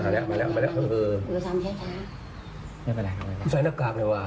แล้วมันจะเดินกลับมาอีกรอบ